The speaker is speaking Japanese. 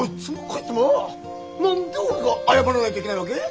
何で俺が謝らないといけないわけ？